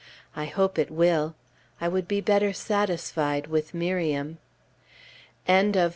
I hope it will; I would be better satisfied with Miriam. June 4th.